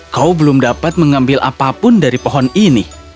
kau belum dapat mengambil apapun dari pohon ini